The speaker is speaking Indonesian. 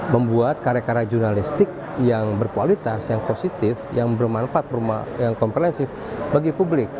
membuat karya karya jurnalistik yang berkualitas yang positif yang bermanfaat yang komprehensif bagi publik